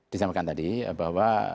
disampaikan tadi bahwa